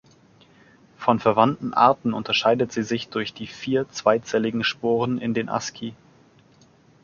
Von verwandten Arten unterscheidet sie sich durch die vier zweizelligen Sporen in den Asci.